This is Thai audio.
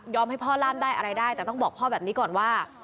ให้พ่อล่ามได้อะไรได้แต่ต้องบอกพ่อแบบนี้ก่อนว่า